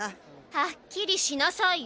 はっきりしなさいよ。